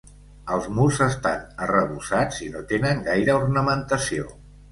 Els murs estan arrebossats i no tenen gaire ornamentació.